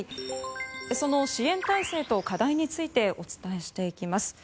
その支援体制と課題についてお伝えしていきます。